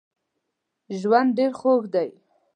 ژوند ډېر خوږ دی